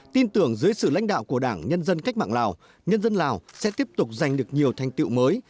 tin tưởng dưới sự lãnh đạo của đảng nhân dân cách mạng lào nhân dân lào sẽ tiếp tục giành được nhiều thành tiệu mới